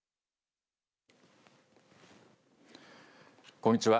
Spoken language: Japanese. こんにちは。